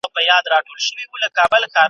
خوا کې د مفتون به د زهرا نازونه څنګه وو؟